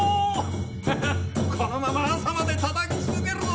ははっこのまま朝までたたき続けるぞ！